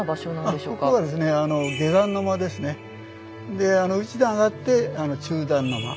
であの一段上がって「中段の間」。